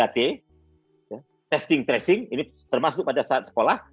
tiga t testing tracing ini termasuk pada saat sekolah